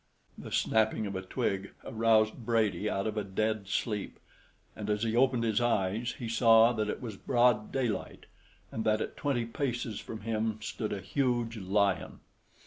The snapping of a twig aroused Brady out of a dead sleep, and as he opened his eyes, he saw that it was broad daylight and that at twenty paces from him stood a huge lion.